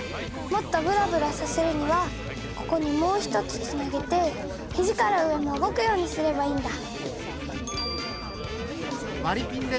もっとブラブラさせるにはここにもう１つつなげてひじから上も動くようにすればいいんだ。